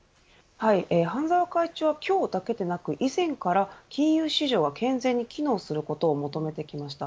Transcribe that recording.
半沢会長は今日だけでなく以前から金融市場が健全に機能することを求めてきました。